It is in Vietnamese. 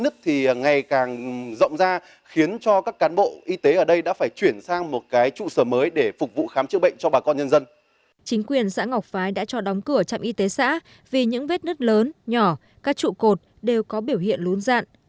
chính quyền xã ngọc phái đã cho đóng cửa trạm y tế xã vì những vết nứt lớn nhỏ các trụ cột đều có biểu hiện lún dạn